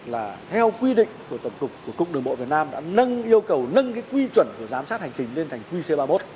là theo quy định của tổng cục của cục đường bộ việt nam đã nâng yêu cầu nâng cái quy chuẩn của giám sát hành trình lên thành qc ba mươi một